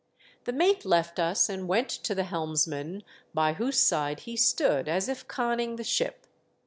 The mate left us and went to the helmsman, by whose side he stood as if conning the ship.